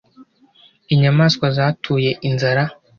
inyamaswa zatuye inzara